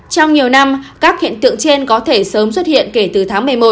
trong nhiều năm các hiện tượng trên có thể sớm xuất hiện kể từ tháng một mươi một